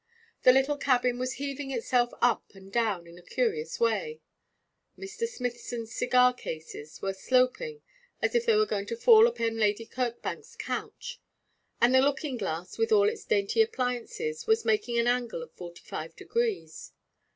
The little cabin was heaving itself up and down in a curious way; Mr. Smithson's cigar cases were sloping as if they were going to fall upon Lady Kirkbank's couch, and the looking glass, with all its dainty appliances, was making an angle of forty five degrees.